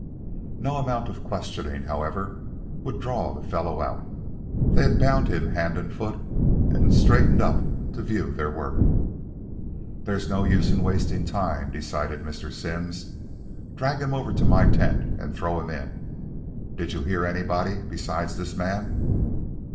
No amount of questioning, however, would draw the fellow out. They had bound him hand and foot and straightened up to view their work. "There's no use in wasting time," decided Mr. Simms. "Drag him over to my tent and throw him in. Did you hear anybody besides this man?"